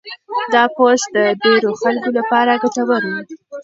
دا پوسټ د ډېرو خلکو لپاره ګټور و.